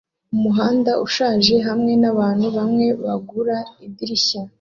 Umuhanda ushaje hamwe nabantu bamwe bagura idirishya